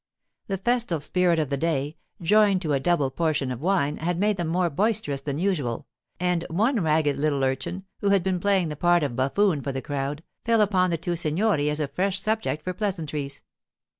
The festal spirit of the day, joined to a double portion of wine, had made them more boisterous than usual; and one ragged little urchin, who had been playing the part of buffoon for the crowd, fell upon the two signori as a fresh subject for pleasantries.